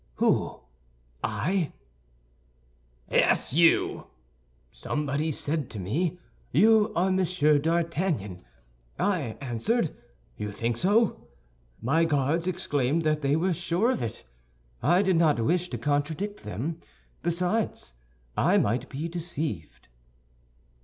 "Who, I?" "Yes, you." "Somebody said to me, 'You are Monsieur d'Artagnan?' I answered, 'You think so?' My guards exclaimed that they were sure of it. I did not wish to contradict them; besides, I might be deceived."